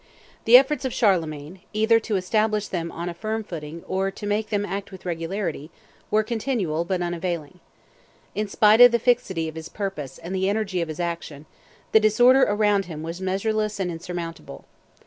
The efforts of Charlemagne, either to establish them on a firm footing or to make them act with regularity, were continual, but unavailing. In spite of the fixity of his purpose and the energy of his action, the disorder around him was measureless and insurmountable.